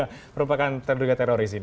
yang merupakan terduga teroris ini